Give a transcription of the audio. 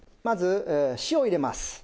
まず塩を入れます。